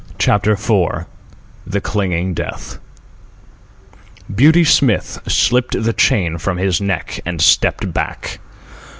CHAPTER IV THE CLINGING DEATH Beauty Smith slipped the chain from his neck and stepped back.